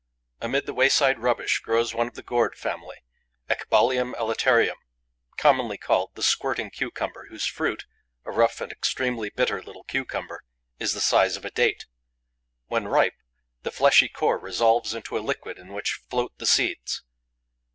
Amid the wayside rubbish grows one of the gourd family, Ecbalium elaterium, commonly called the squirting cucumber, whose fruit a rough and extremely bitter little cucumber is the size of a date. When ripe, the fleshy core resolves into a liquid in which float the seeds.